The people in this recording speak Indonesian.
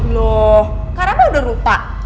loh karena mah udah lupa